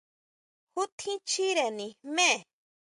¿Jú tjín chire nijmé?